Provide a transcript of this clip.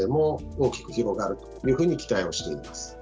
大きく広がるというふうに期待をしています。